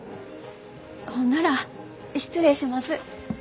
ほんなら失礼します。